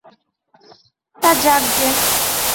তা যাক গে।